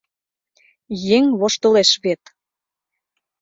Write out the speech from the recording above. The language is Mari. Еҥ воштылеш вет.